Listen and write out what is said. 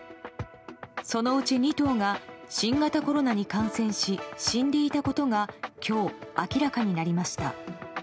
そのうち２頭が新型コロナに感染し死んでいたことが今日、明らかになりました。